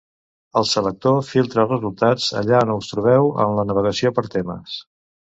El selector filtra resultats allà on us trobeu en la navegació per temes.